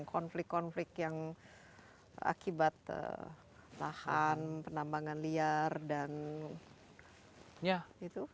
konflik konflik yang akibat lahan penambangan liar dan gitu